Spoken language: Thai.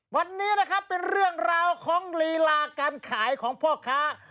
วันนี้นะครับเป็นเรื่องราวของลีลาการขายของพ่อค้า